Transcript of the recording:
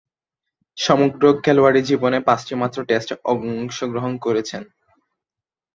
সমগ্র খেলোয়াড়ী জীবনে পাঁচটিমাত্র টেস্টে অংশগ্রহণ করেছেন।